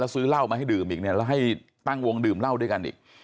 ซื้อเหล้ามาให้ดื่มอีกเนี่ยแล้วให้ตั้งวงดื่มเหล้าด้วยกันอีก